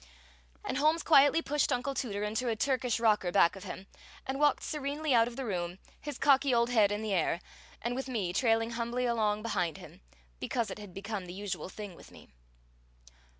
And Holmes quietly pushed Uncle Tooter into a Turkish rocker back of him, and walked serenely out of the room, his cocky old head in the air, and with me trailing humbly along behind him, because it had become the usual thing with me.